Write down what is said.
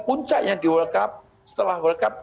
puncaknya di world cup setelah world cup